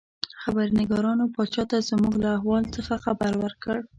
خبرنګارانو پاچا ته زموږ له احوال څخه خبر ورکړ.